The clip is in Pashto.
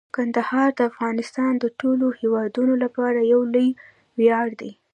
کندهار د افغانستان د ټولو هیوادوالو لپاره یو لوی ویاړ دی.